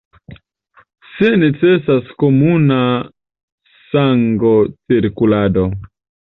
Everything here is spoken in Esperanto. Sed necesas komuna sangocirkulado.